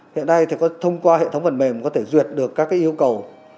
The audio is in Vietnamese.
hiện nay thì có thông qua hệ thống phần mềm có thể duyệt được các yêu cầu